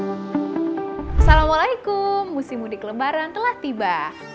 assalamualaikum musim mudik lebaran telah tiba